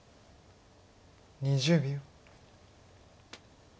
２０秒。